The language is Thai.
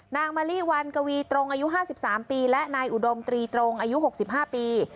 มะลิวันกวีตรงอายุ๕๓ปีและนายอุดมตรีตรงอายุ๖๕ปี